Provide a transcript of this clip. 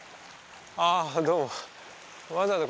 あどうも。